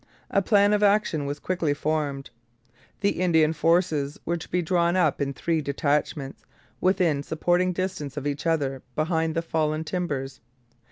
A plan of action was quickly formed. The Indian forces were to be drawn up in three detachments within supporting distance of each other behind the Fallen Timbers.